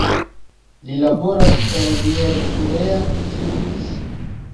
Li laboras en Miercurea Ciuc.